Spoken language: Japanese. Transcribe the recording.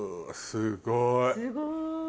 すごい。